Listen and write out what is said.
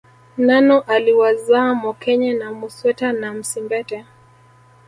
Nano aliwazaa Mokenye na Musweta na Msimbete